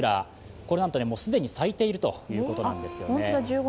これなんと既に咲いているということなんですね。